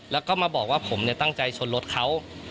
แล้วก็มาบอกว่าผมตั้งใจชนรถเขา